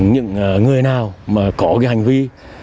những người nào có hành vi